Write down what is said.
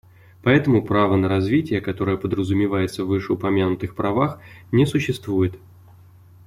Поэтому право на развитие, которое подразумевается в вышеупомянутых правах, не существует.